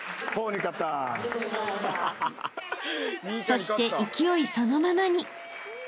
［そして勢いそのままに］